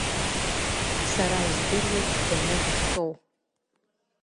Сара издыруеит бҳәаны быштәоу.